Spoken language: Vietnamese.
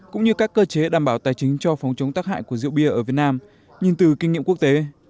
cũng như các cơ chế đảm bảo tài chính cho phòng chống tác hại của rượu bia ở việt nam nhìn từ kinh nghiệm quốc tế